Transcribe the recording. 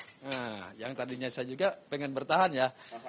nah yang tadinya saya juga pengen bertahan ya